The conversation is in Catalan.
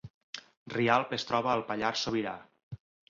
Rialp es troba al Pallars Sobirà